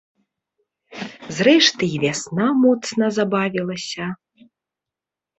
Зрэшты, і вясна моцна забавілася.